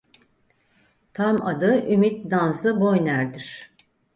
Tam adı Ümit Nazlı Boyner'dir.